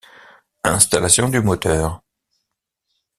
Installation du moteur.